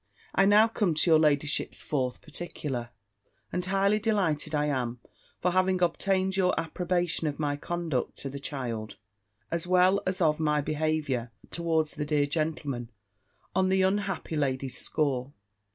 I now come to your ladyship's fourth particular. And highly delighted I am for having obtained your approbation of my conduct to the child, as well as of my behaviour towards the dear gentleman, on the unhappy lady's score.